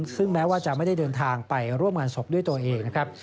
ซึ่งแม้ว่าจะไม่ได้เดินทางไปร่วมงานศพด้วยตัวเองนะครับ